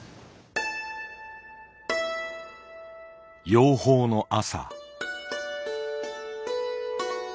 養蜂の朝。